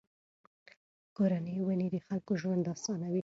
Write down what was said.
کورني ونې د خلکو ژوند آسانوي.